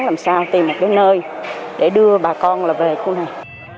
làm sao tìm một cái nơi để đưa bà con là về khu này